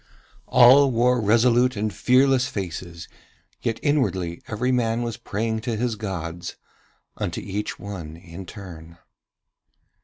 All wore resolute and fearless faces, yet inwardly every man was praying to his gods, unto each one in turn.